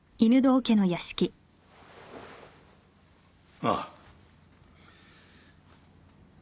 ああ。